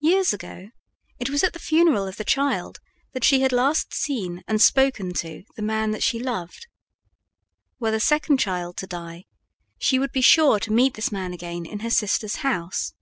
Years ago it was at the funeral of the child that she had last seen and spoken to the man she loved. Were the second child to die, she would be sure to meet this man again in her sister's house.